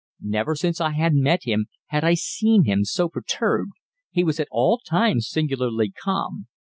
Never since I had met him had I seen him so perturbed he was at all times singularly calm.